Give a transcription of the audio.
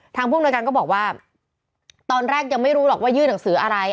ผู้อำนวยการก็บอกว่าตอนแรกยังไม่รู้หรอกว่ายื่นหนังสืออะไร